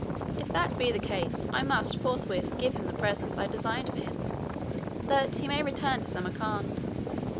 If that be the case, I must forthwith give him the presents I designed for him, that he may return to Samarcand."